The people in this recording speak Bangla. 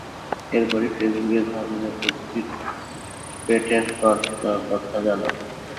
এরপরই ফেসবুক এ ধরনের প্রযুক্তির পেটেন্ট করার কথা জানাল।